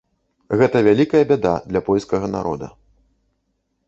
Гэта вялікая бяда для польскага народа.